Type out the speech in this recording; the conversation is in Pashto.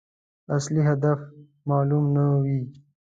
اصلي هدف معلوم نه وي.